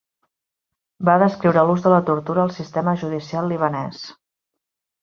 Va descriure l"ús de la tortura al sistema judicial libanès.